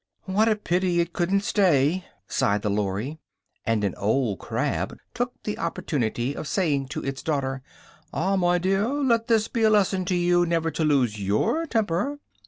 "What a pity it wouldn't stay!" sighed the Lory, and an old Crab took the opportunity of saying to its daughter "Ah, my dear! let this be a lesson to you never to lose your temper!"